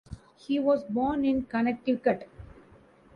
He was born in Connecticut.